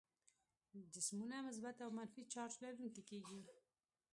جسمونه مثبت او منفي چارج لرونکي کیږي.